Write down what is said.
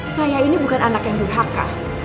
saya ini bukan anak yang berhak kak